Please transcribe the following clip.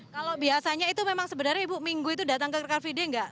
kalau biasanya itu memang sebenarnya ibu minggu itu datang ke car free day nggak